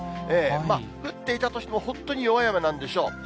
降っていたとしても、本当に弱い雨なんでしょう。